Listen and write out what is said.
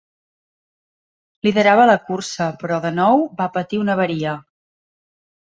Liderava la cursa, però, de nou, va patir una avaria.